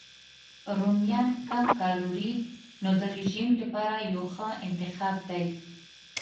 رومیان کم کالوري نو د رژیم لپاره یو ښه انتخاب دی.